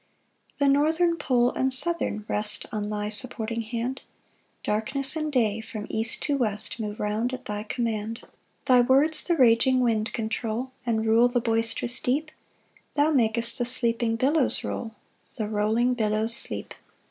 3 The northern pole and southern rest On thy supporting hand; Darkness and day from east to west Move round at thy command. 4 Thy words the raging wind control, And rule the boisterous deep; Thou mak'st the sleeping billows roll, The rolling billows sleep.